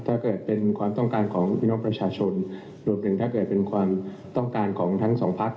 ถ้าเกิดเป็นความต้องการของพี่น้องประชาชนรวมถึงถ้าเกิดเป็นความต้องการของทั้งสองพัก